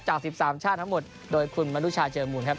๑๓ชาติทั้งหมดโดยคุณมนุชาเจอมูลครับ